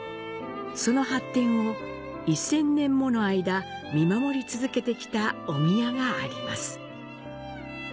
その発展を一千年もの間、見守り続けてきたお宮があります。